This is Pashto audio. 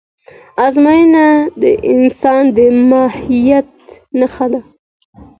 ازموینه د انسان د ماهیت نښه ده.